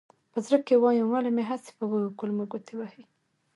په زړه کې وایم ولې مې هسې په وږو کولمو ګوتې وهې.